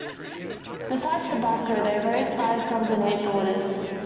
Besides tobacco, they raised five sons and eight daughters.